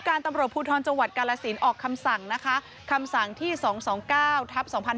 การตำรวจภูทรจังหวัดกาลสินออกคำสั่งนะคะคำสั่งที่สองสองเก้าทับสองพัน